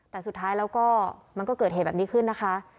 แต่สุดท้ายแล้วก็มันก็เกิดเหตุแบบนี้ขึ้นนะคะ